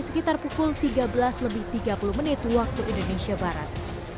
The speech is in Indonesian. sekitar pukul tiga belas lebih tiga puluh menit waktu indonesia barat